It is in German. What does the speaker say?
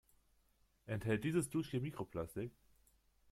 Enthält dieses Duschgel Mikroplastik?